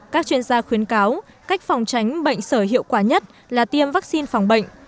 các chuyên gia khuyến cáo cách phòng tránh bệnh sởi hiệu quả nhất là tiêm vaccine phòng bệnh